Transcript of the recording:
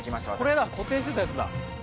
これだ固定してたやつだ。